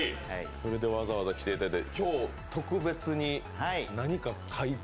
それでわざわざ来ていただいて。